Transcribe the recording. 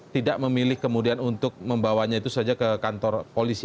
tidak memilih kemudian untuk membawanya itu saja ke kantor polisi